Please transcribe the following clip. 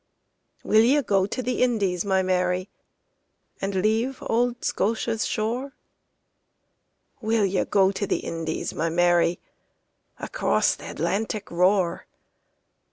WILL ye go to the Indies, my Mary, And leave auld Scotia's shore? Will ye go to the Indies, my Mary, Across th' Atlantic roar?